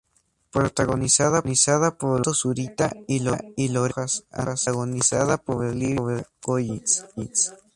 Protagonizada por Humberto Zurita y Lorena Rojas, antagonizada por Olivia Collins.